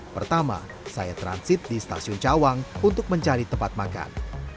pertama saya transit di stasiun cawang untuk mencari tempat makan